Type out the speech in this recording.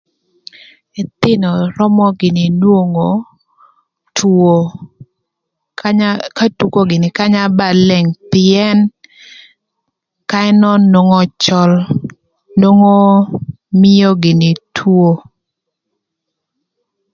Ëthïnö römö gïnï nwongo two ka tuko gïnï kanya ba leng pïën kany nön nwongo cöl, nwongo mïö gïnï two.